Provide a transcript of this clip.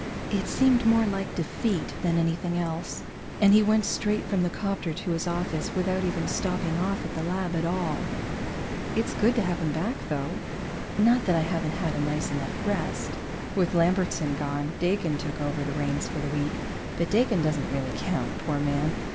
It seemed more like defeat than anything else, and he went straight from the 'copter to his office without even stopping off at the lab at all. It's good to have him back, though! Not that I haven't had a nice enough rest. With Lambertson gone, Dakin took over the reins for the week, but Dakin doesn't really count, poor man.